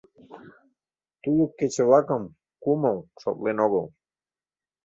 Тулык кече-влакым Кумыл шотлен огыл.